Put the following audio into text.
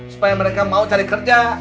supaya mereka mau cari kerja